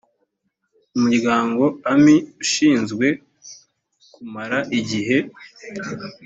umuryango a m i ushinzwe kumara igihe